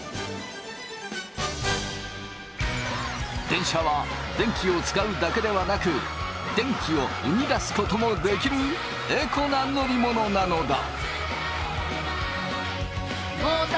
電車は電気を使うだけではなく電気を生み出すこともできるエコな乗り物なのだ。